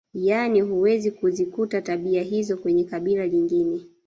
Yaani huwezi kuzikuta tabia hizo kwenye kabila lingine